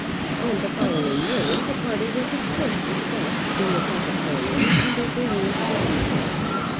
On the following morning the party was of course discussed in the Tappitt family under various circumstances.